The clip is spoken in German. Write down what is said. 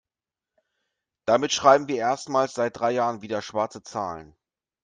Damit schreiben wir erstmals seit drei Jahren wieder schwarze Zahlen.